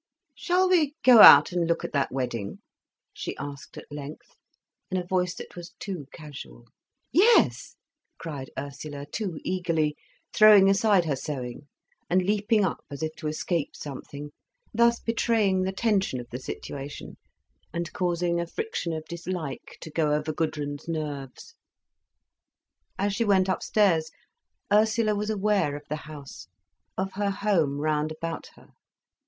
"Shall we go out and look at that wedding?" she asked at length, in a voice that was too casual. "Yes!" cried Ursula, too eagerly, throwing aside her sewing and leaping up, as if to escape something, thus betraying the tension of the situation and causing a friction of dislike to go over Gudrun's nerves. As she went upstairs, Ursula was aware of the house, of her home round about her.